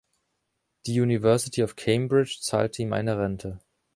Die University of Cambridge zahlte ihm eine Rente.